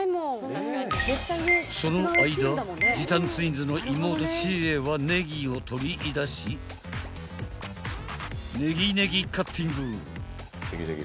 ［その間時短ツインズの妹知恵はネギを取りいだしネギネギカッティング］